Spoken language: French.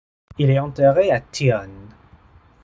Il est enterré à Thionne.